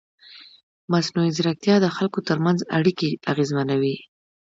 مصنوعي ځیرکتیا د خلکو ترمنځ اړیکې اغېزمنوي.